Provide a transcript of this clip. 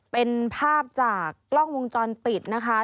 เป็นภาพจากกล้องวงจรปิดนะคะ